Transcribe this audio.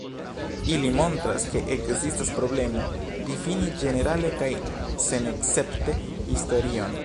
Ili montras, ke ekzistas problemo difini ĝenerale kaj senescepte historion.